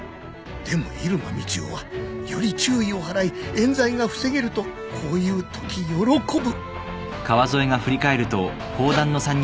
でも入間みちおはより注意を払い冤罪が防げるとこういうとき喜ぶ